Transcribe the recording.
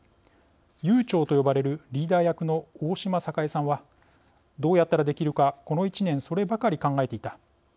謡長と呼ばれるリーダー役の大嶋栄さんは「どうやったらできるかこの１年そればかり考えていた。